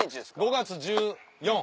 ５月１４。